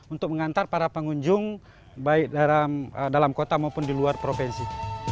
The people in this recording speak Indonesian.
untuk mengantar para pengunjung baik dalam kota maupun di luar provinsi